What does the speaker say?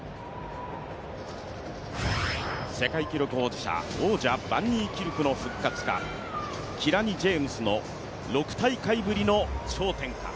世界記録保持者、王者バンニーキルクの復活か、キラニ・ジェームスの６大会ぶりの頂点か。